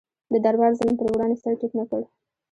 د دربار ظلم پر وړاندې سر ټیټ نه کړ.